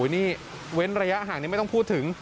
นี่เว้นระยะห่างนี้ไม่ต้องพูดถึง